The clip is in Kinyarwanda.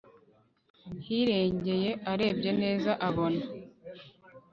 hirengeye arebye neza abona